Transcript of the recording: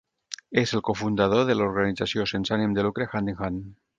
És el cofundador de l'organització sense ànim de lucre Hand in Hand.